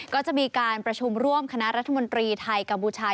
ก็จะมีการประชุมร่วมคณะรัฐมนตรีไทยกัมพูชา